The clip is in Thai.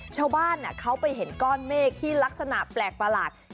ชาวบ้านเขาไปเห็นก้อนเมฆที่ลักษณะแปลกประหลาด